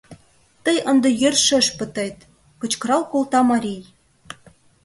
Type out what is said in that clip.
— Тый ынде йӧршеш пытет! — кычкырал колта марий.